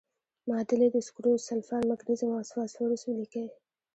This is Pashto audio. معادلې د سکرو، سلفر، مګنیزیم او فاسفورس ولیکئ.